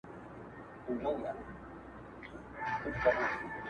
شپې په اور کي سبا کیږي ورځي سوځي په تبۍ کي-